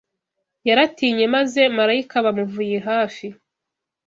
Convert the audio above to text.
Yaratinye maze marayika aba amuvuye hafi